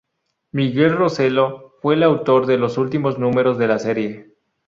Miguel Roselló fue el autor de los últimos números de la serie.